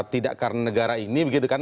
tidak karena negara ini begitu kan